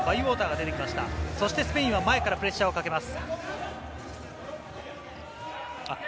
スペインは前からプレッシャーをかけます。